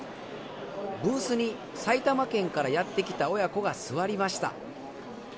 ブースに埼玉県からやって来た親子が座りました。